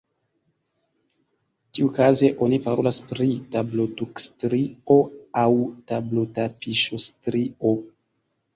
Tiukaze oni parolas pri tablotukstrio aŭ tablotapiŝostrio.